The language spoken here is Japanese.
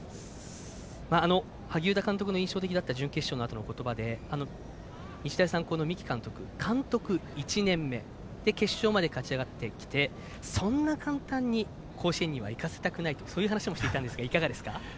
萩生田監督の印象的だった準決勝のあとの言葉で日大三高の三木監督、就任１年目決勝まで勝ちあがってきてそんな簡単には甲子園にいかせたくないという話もしていました。